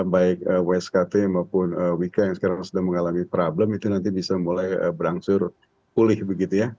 baik wskt maupun wika yang sekarang sudah mengalami problem itu nanti bisa mulai berangsur pulih begitu ya